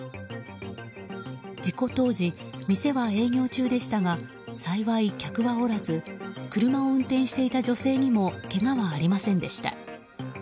事故当時、店は営業中でしたが幸い客はおらず車を運転していた女性にもけがはありませんでした。